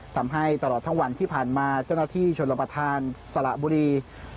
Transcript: ทำให้ตลอดทั้งวันที่ผ่านมาเจ้าหน้าที่ชนรับประทานสละบุรี